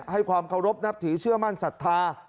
ให้ความเคารพนับถือเชื่อมั่นศรัทธา